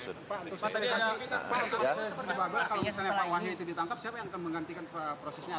pak untuk sosialisasi pak wahyu itu ditangkap siapa yang akan menggantikan prosesnya